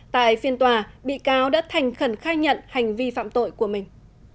tại phiên tòa bị cáo đã thành khẩn khai nhận hành vi phạm tội của mình